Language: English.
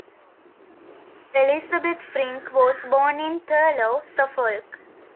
Elisabeth Frink was born in Thurlow, Suffolk.